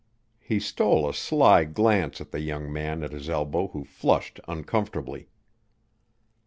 He stole a sly glance at the young man at his elbow who flushed uncomfortably.